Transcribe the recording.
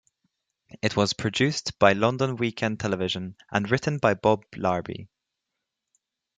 It was produced by London Weekend Television and written by Bob Larbey.